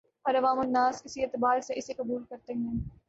اور عوام الناس اسی اعتبار سے اسے قبول کرتے ہیں